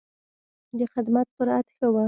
د خدمت سرعت ښه و.